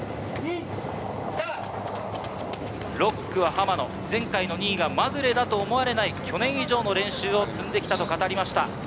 ６区は濱野、前回の２位がまぐれだと思われない、去年以上の練習を積んできたと語りました。